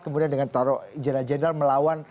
kemudian dengan taruh jeneral jeneral melawan